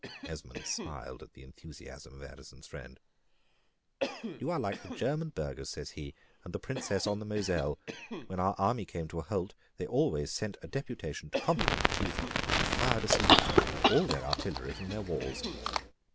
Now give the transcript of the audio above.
Esmond smiled at the enthusiasm of Addison's friend. "You are like the German Burghers," says he, "and the Princes on the Mozelle: when our army came to a halt, they always sent a deputation to compliment the chief, and fired a salute with all their artillery from their walls."